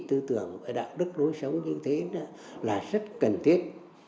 tư tưởng và đạo đức đối sống như thế đó là rất cần thiết